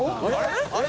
あれ？